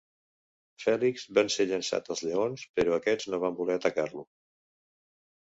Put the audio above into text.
Fèlix va ser llençat als lleons però aquests no van voler atacar-lo.